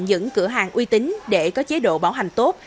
những cửa hàng uy tín để có chế độ bảo hành tốt